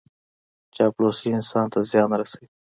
چاپلوسي انسان ته زیان رسوي.